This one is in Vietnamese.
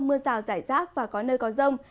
mưa rào rải rác và có nơi có rông